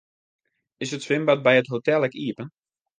Is it swimbad by it hotel ek iepen?